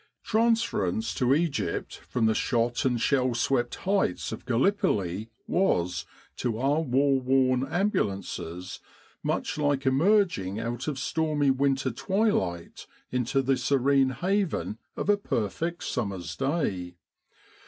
Transference to Egypt from the shot and shell swept heights of Gallipoli was, to our (war worn Ambulances, much like emerging out of stormy winter twilight into the serene haven of a perfect summer's day.